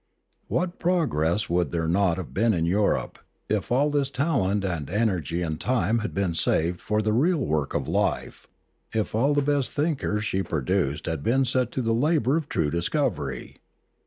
What progress would there not have been in Europe if all this talent and energy and time had been saved for the real work of life, if all the best thinkers she produced had been set to the labour of true discovery